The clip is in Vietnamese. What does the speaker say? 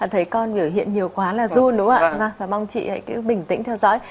thấy con biểu hiện nhiều quá là run đúng không ạ và mong chị hãy cứ bình tĩnh theo dõi